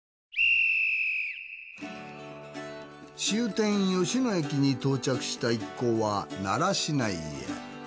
終点吉野駅に到着した一行は奈良市内へ。